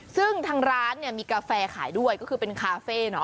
ซึ่งทางร้านเนี่ยมีกาแฟขายด้วยก็คือเป็นคาเฟ่